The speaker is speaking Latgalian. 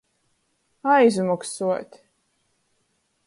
Aizmoksuot.